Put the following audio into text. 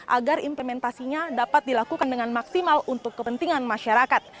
agar implementasinya dapat dilakukan dengan maksimal untuk kepentingan masyarakat